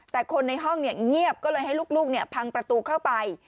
แต่คนในห้องเงียบก็เลยให้ลูกพังประตูเข้าไป